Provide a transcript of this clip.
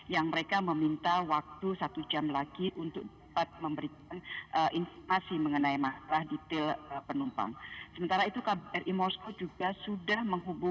yang mereka meminta waktu satu jam lagi untuk dapat memberikan informasi mengenai masalah detail penumpang